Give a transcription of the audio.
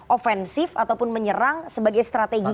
ofensif ataupun menyerang sebagai strategi